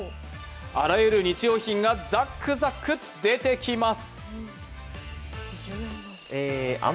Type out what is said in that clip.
あらゆる日用品がザクザク出てきます。